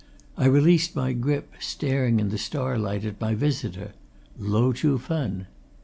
I released my grip, staring in the starlight at my visitor. Lo Chuh Fen!